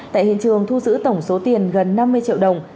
tại hiện trường thu giữ tổng số tiền gần năm mươi triệu đồng